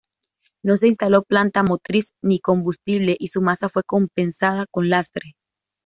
No se instaló planta motriz ni combustible y su masa fue compensada con lastre.